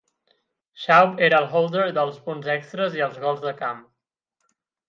Schaub era el "holder" dels punts extres i els gols de camp.